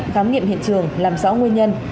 khám nghiệm hiện trường làm rõ nguyên nhân